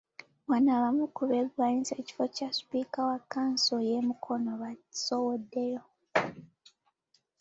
Wano abamu ku beegwanyiza ekifo kya Sipiika wa kkanso y'e Mukono beesowoddeyo.